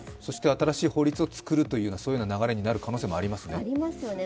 新しい法律を作るというような流れになる可能性もありますね。